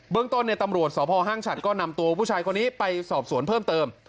เรื่องต้นตำรวจสพห้างฉัดก็นำตัวผู้ชายคนนี้ไปสอบสวนเพิ่มเติม